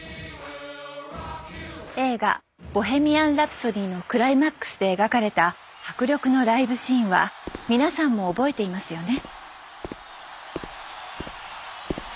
映画「ボヘミアン・ラプソディ」のクライマックスで描かれた迫力のライブシーンは皆さんも覚えていますよね。